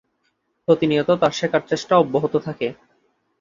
প্রতিনিয়ত তার শেখার চেষ্টা অব্যাহত থাকে।